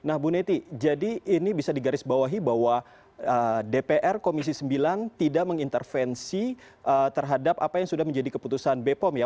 nah bu neti jadi ini bisa digarisbawahi bahwa dpr komisi sembilan tidak mengintervensi terhadap apa yang sudah menjadi keputusan bepom ya